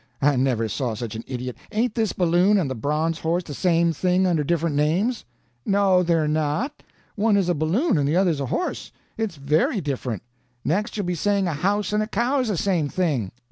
I never saw such an idiot. Ain't this balloon and the bronze horse the same thing under different names?" "No, they're not. One is a balloon and the other's a horse. It's very different. Next you'll be saying a house and a cow is the same thing."